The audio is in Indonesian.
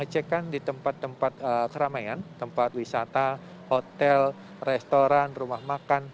pengecekan di tempat tempat keramaian tempat wisata hotel restoran rumah makan